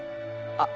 あっ！